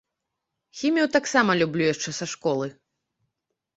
Хімію таксама люблю яшчэ са школы.